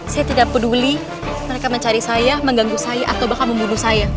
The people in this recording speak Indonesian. saya tidak peduli mereka mencari saya mengganggu saya atau bahkan membunuh saya